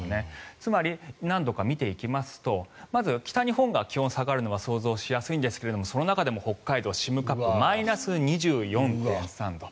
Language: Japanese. つまり、何度か見ていきますとまず北日本が気温が下がるのは想像しやすいのですがその中でも北海道占冠マイナス２４．３度。